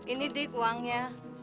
ini dik uangnya